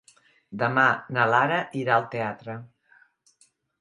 Demà na Lara irà al teatre.